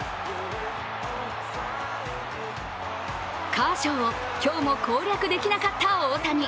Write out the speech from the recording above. カーショーを今日も攻略できなかった大谷。